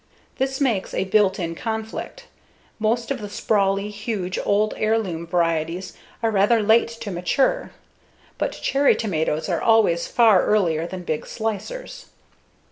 This makes a built in conflict: most of the sprawly, huge, old heirloom varieties are rather late to mature. But cherry tomatoes are always far earlier than big slicers.